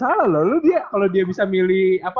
salah lalu dia kalau dia bisa milih apa